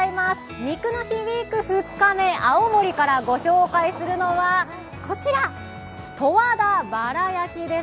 肉の日ウィーク２日目、青森からご紹介するのはこちら、十和田バラ焼きです。